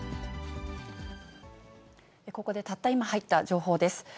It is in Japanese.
ここでたった今入った情報です。